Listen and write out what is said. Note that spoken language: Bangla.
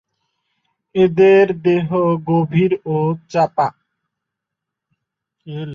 এদের দেহ গভীর ও চাপা।